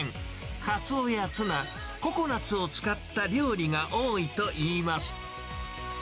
カツオやツナ、ココナツを使った料理が多いといいます。